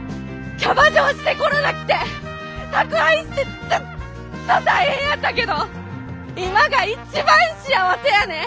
キャバ嬢してコロナ来て宅配してずっと大変やったけど今が一番幸せやねん！